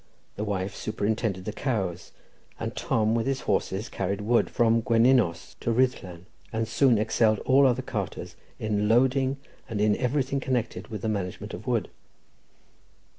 The wife superintended the cows, and Tom with his horses carried wood from Gwenynos to Ruddlan, and soon excelled all other carters "in loading, and in everything connected with the management of wood."